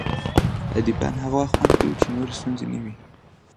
ادبیات هغه وخت خوند کوي چې نورې ستونزې نه وي